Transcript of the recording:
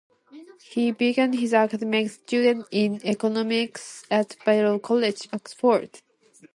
He began his academic studies in economics at Balliol College, Oxford.